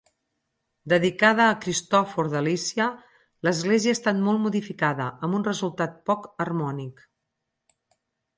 Dedicada a Cristòfor de Lícia, l'església ha estat molt modificada, amb un resultat poc harmònic.